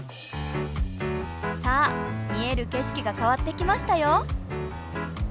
さあ見える景色が変わってきましたよ。